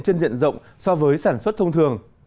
trên diện rộng so với sản xuất thông thường